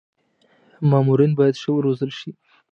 مامورین باید ښه و روزل شي.